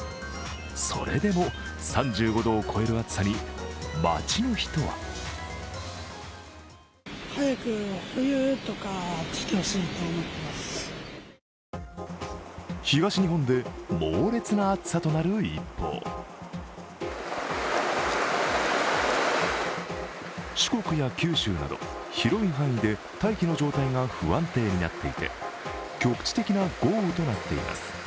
それでも３５度を超える暑さに街の人は東日本で猛烈な暑さとなる一方四国や九州など広い範囲で大気の状態が不安定になっていて局地的な豪雨となっています。